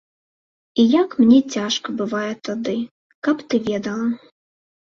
І як мне цяжка бывае тады, каб ты ведала.